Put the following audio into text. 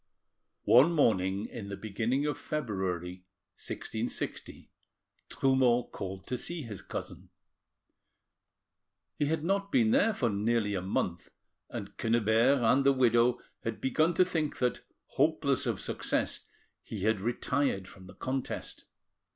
One morning in the beginning of February 1660, Trumeau called to see his cousin. He had not been there for nearly a month, and Quennebert and the widow had begun to think that, hopeless of success, he had retired from the contest.